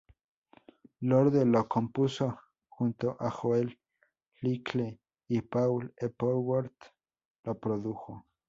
Lorde lo compuso junto a Joel Little, y Paul Epworth lo produjo.